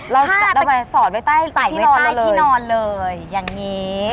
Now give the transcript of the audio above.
ทำไมสอดไว้ใต้ใส่ไว้ใต้ที่นอนเลยอย่างนี้